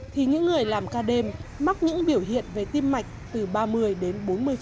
thì những người làm ca đêm mắc những biểu hiện về tim mạch từ ba mươi đến bốn mươi